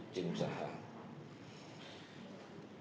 jadi itu adalah hal yang harus diperhatikan